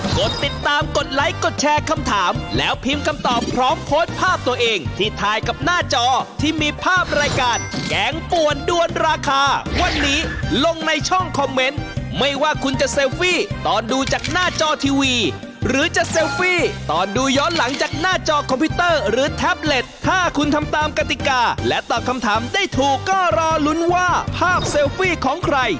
กดติดตามกดไลค์กดแชร์คำถามแล้วพิมพ์คำตอบพร้อมโพสต์ภาพตัวเองที่ถ่ายกับหน้าจอที่มีภาพรายการแกงป่วนด้วนราคาวันนี้ลงในช่องคอมเมนต์ไม่ว่าคุณจะเซลฟี่ตอนดูจากหน้าจอทีวีหรือจะเซลฟี่ตอนดูย้อนหลังจากหน้าจอคอมพิวเตอร์หรือแท็บเล็ตถ้าคุณทำตามกติกาและตอบคำถามได้ถูกก็รอลุ้นว่าภาพเซลฟี่ของใคร